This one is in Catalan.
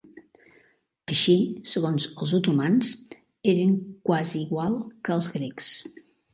Així, segons els otomans, eren quasi igual que els grecs.